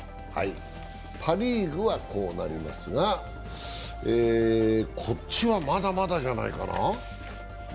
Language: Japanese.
パ・リーグはこうなりますが、こっちはまだまだじゃないかな。